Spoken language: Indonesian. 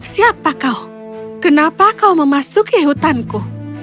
siapa kau kenapa kau memasuki hutanku